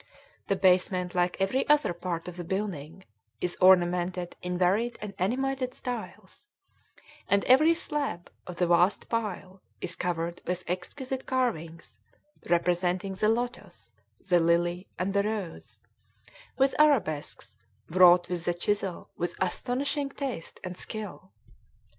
The basement, like every other part of the building, is ornamented in varied and animated styles; and every slab of the vast pile is covered with exquisite carvings representing the lotos, the lily, and the rose, with arabesques wrought with the chisel with astonishing taste and skill.